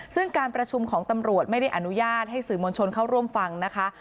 ซึ่งการประชุมของตำรวจไม่ได้อนุญาตให้สื่อมวลชนเข้าร่วมฟังนะคะ